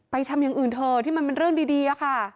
ทำอย่างอื่นเถอะที่มันเป็นเรื่องดีอะค่ะ